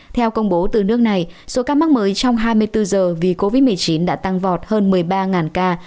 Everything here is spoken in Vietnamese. theo công bố từ nước này số ca mắc mới trong hai mươi bốn giờ vì covid một mươi chín đã tăng vọt hơn một mươi ba ca